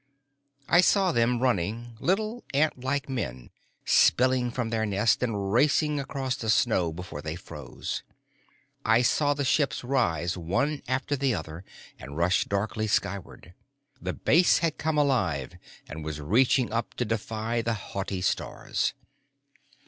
I saw them running, little antlike men spilling from their nest and racing across the snow before they froze. I saw the ships rise one after the other and rush darkly skyward. The base had come alive and was reaching up to defy the haughty stars.